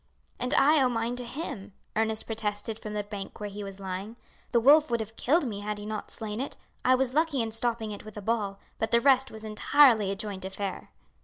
"And I owe mine to him," Ernest protested from the bank where he was lying. "The wolf would have killed me had he not slain it. I was lucky in stopping it with a ball, but the rest was entirely a joint affair."